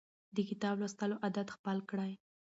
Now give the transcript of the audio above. د کتاب لوستلو عادت خپل کړئ.